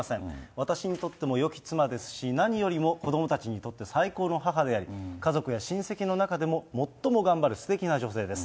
私にとってもよき妻ですし、何よりも子どもたちにとって最高の母であり、家族や親戚の中でも最も頑張るすてきな女性です。